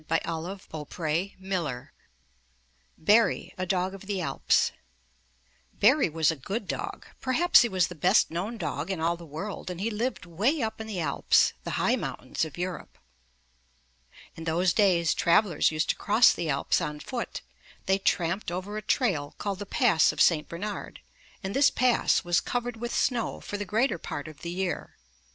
87 M Y BOOK HOUSE BARRY, A DOG OF THE ALPS Barry was a good dog; perhaps he was the best known dog in all the world, and he lived way up in the Alps — the high mount ains of Europe. In those days travelers used to cross the Alps on foot. They tramped over a trail called the Pass of St. Bernard, and this Pass was covered with snow for the greater part of the year.